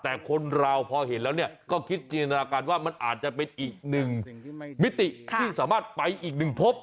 แต่คนเราพอเห็นแล้วเนี่ยก็คิดจินตนาการว่ามันอาจจะเป็นอีกหนึ่งมิติที่สามารถไปอีกหนึ่งพบ